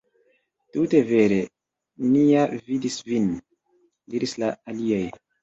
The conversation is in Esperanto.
"Tute vere, ni ja vidis vin," diris la aliaj.